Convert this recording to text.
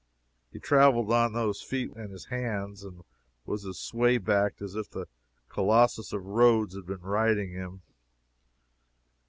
He traveled on those feet and his hands, and was as sway backed as if the Colossus of Rhodes had been riding him.